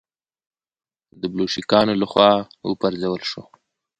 د بلشویکانو له خوا و پرځول شو.